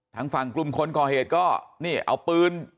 ทางฝั่งกลุ่มคนก่อเหตุก็นี่เอาปืน